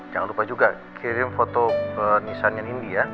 jangan lupa juga kirim foto ke nisan nindi ya